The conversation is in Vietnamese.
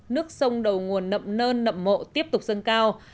nước sông đầu nguồn nậm nơn nậm mộ tiếp tục dâng cao